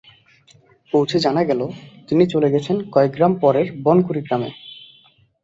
পৌঁছে জানা গেল, তিনি চলে গেছেন কয়েক গ্রাম পরের বনকুড়ি গ্রামে।